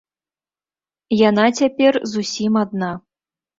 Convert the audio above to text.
Яна цяпер зусім адна.